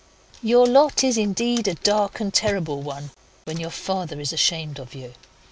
Your lot is indeed a dark and terrible one when your father is ashamed of you.